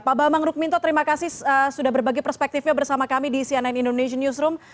pak bambang rukminto terima kasih sudah berbagi perspektifnya bersama kami di cnn indonesian newsroom